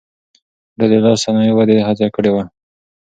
ده د لاس صنايعو ودې هڅه کړې وه.